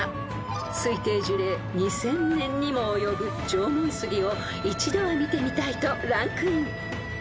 ［推定樹齢２，０００年にも及ぶ縄文杉を一度は見てみたいとランクイン］